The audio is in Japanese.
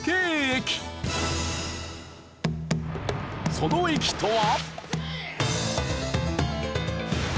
その駅とは。